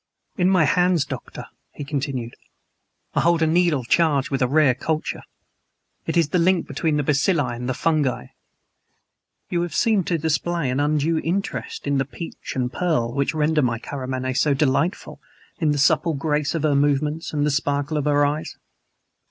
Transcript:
"In my hands, Doctor," he continued, "I hold a needle charged with a rare culture. It is the link between the bacilli and the fungi. You have seemed to display an undue interest in the peach and pearl which render my Karamaneh so delightful, In the supple grace of her movements and the sparkle of her eyes.